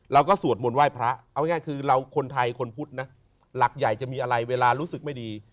เราก็สวดหมนไวกเราง่ายคือเราคนไทยคนภูตรรักใหญ่จะมีอะไรเวลารู้สึกไม่ดี